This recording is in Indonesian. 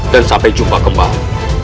dan sampai jumpa kembali